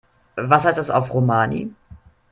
Was heißt das auf Romani?